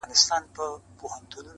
نه باد وهلي يو، نه لمر سوځلي يو.